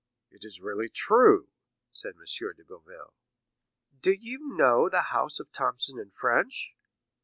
"It is really true," said M. de Boville. "Do you know the house of Thomson & French?"